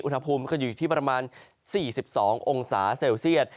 อุณหภูมิก็อยู่ที่ประมาณ๔๒องศาเซลเซียต